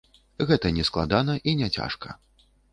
Гэта не складана і не цяжка.